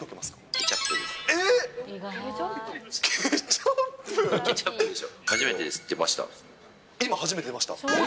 ケチャップでしょう。